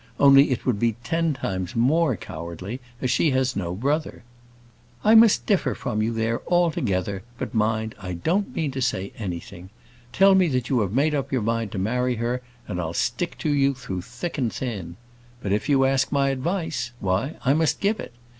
Only it would be ten times more cowardly, as she has no brother." "I must differ from you there altogether; but mind, I don't mean to say anything. Tell me that you have made up your mind to marry her, and I'll stick to you through thick and thin. But if you ask my advice, why, I must give it.